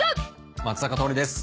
松坂桃李です。